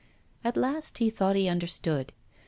At last he thought he understood.